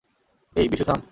এই, বিশু থাম।